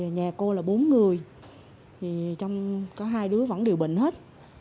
nhà cô là bốn người trong có hai đứa vẫn điều bệnh hết